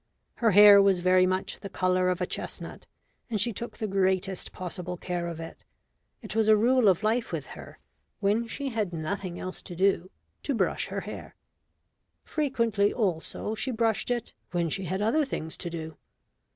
Her hair was very much the colour of a chestnut, and she took the greatest possible care of it. It was a rule of life with her, when she had nothing else to do, to brush her hair. Frequently also she brushed it when she had other things to do.